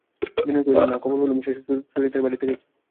বিনয় কহিল, না, খবর পেলুম সে সুচরিতার বাড়িতে গেছে।